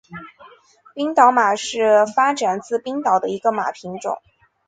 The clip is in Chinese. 冰岛马是发展自冰岛的一个马品种。